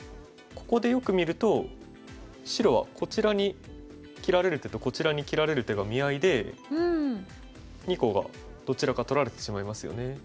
ここでよく見ると白はこちらに切られる手とこちらに切られる手が見合いで２個がどちらか取られてしまいますよね。